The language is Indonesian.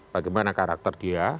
bagaimana karakter dia